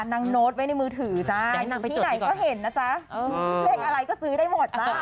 โน้ตไว้ในมือถือจ้าที่ไหนก็เห็นนะจ๊ะเลขอะไรก็ซื้อได้หมดจ้ะ